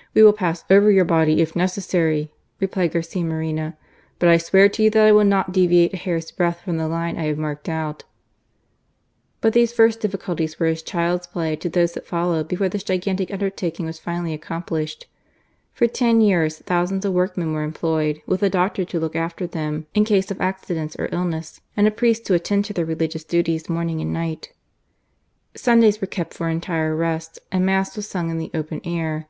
" We will pass over your body if necessary," replied Garcia Moreno. " But I swear to you that I will not deviate a hair's breadth from the line I have marked but." But these first diffi ' See the Report of M. Sebastian Wyse, El Naciona^ December 21, 1862. 148 GARCIA MORENO. colties were as child's play to those that followed before this gigantic undertaking was finally accom plished. For ten years thousands of workmen were ■employed, with a doctor to look after them in case of accidents or illness, and a priest to attend to their religious duties morning and night. Sundays were kept for entire rest, and Mass was sung in the open air.